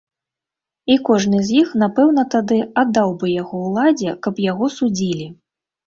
І кожны з іх напэўна тады аддаў бы яго ўладзе, каб яго судзілі.